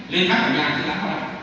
lên thác ở nhà thì đã có bạn